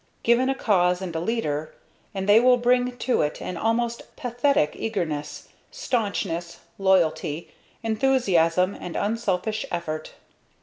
Given a cause and a leader, and they will bring to it an almost pathetic eagerness, staunchness, loyalty, enthusiasm and unselfish effort.